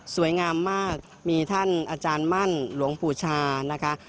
สวยงามมากมีท่านอาจารย์มั่นหลวงปู่ชานะคะ